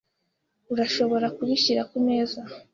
Urashobora kubishyira kumeza?